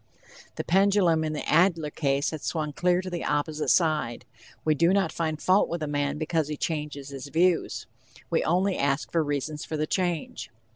The pendulum in the Adler case has swung clear to the opposite side. We do not find fault with a man because he changes his views, we only ask for reasons for the change.